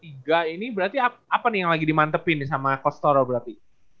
ini berarti apa nih yang lagi dimantepin sama costoro berarti